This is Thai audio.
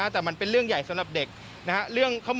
แต่มันเป็นเรื่องใหญ่สำหรับเด็กนะครับ